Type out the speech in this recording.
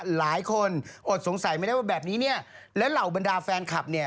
หลายคนอดสงสัยไม่ได้ว่าแบบนี้และเหล่าบรรดาแฟนคลับ